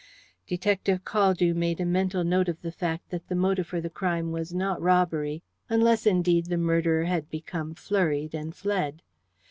Detective Caldew made a mental note of the fact that the motive for the crime was not robbery, unless, indeed, the murderer had become flurried, and fled.